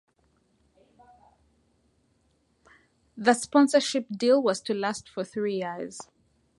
The sponsorship deal was to last for three years.